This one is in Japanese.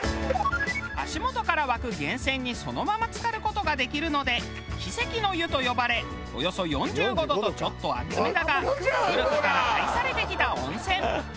足元から湧く源泉にそのまま浸かる事ができるので奇跡の湯と呼ばれおよそ４５度とちょっと熱めだが古くから愛されてきた温泉。